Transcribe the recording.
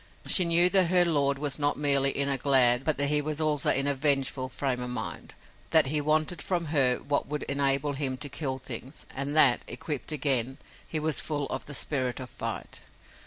She knew that her lord was not merely in a glad, but that he was also in a vengeful frame of mind, that he wanted from her what would enable him to kill things, and that, equipped again, he was full of the spirit of fight.